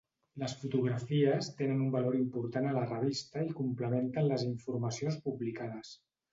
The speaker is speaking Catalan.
Les fotografies tenen un valor important a la revista i complementen les informacions publicades.